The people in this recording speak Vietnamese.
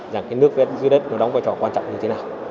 rằng cái nước vét dưới đất nó đóng vai trò quan trọng như thế nào